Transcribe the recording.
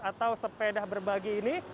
atau sepeda berbagi ini